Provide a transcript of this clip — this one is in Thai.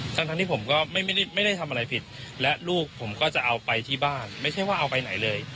ทั้งที่ผมก็ไม่ได้ทำอะไรผิดและลูกผมก็จะเอาไปที่บ้านไม่ใช่ว่าเอาไปไหนเลย